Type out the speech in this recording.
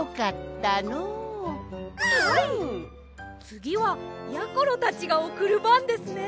つぎはやころたちがおくるばんですね。